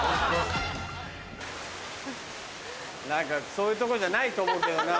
何かそういうとこじゃないと思うけどなぁ。